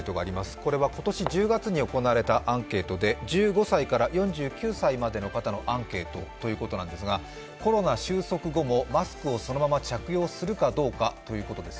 これは今年１０月に行われたアンケートで１５歳から４９歳までの方のアンケートということなんですがコロナ終息後もマスクをそのまま着用するかどうかということです。